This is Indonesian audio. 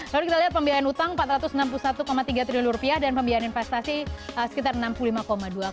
lalu kita lihat pembiayaan utang rp empat ratus enam puluh satu tiga triliun dan pembiayaan investasi sekitar rp enam puluh lima dua triliun